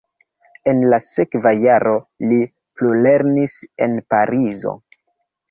En la sekva jaro li plulernis en Parizo.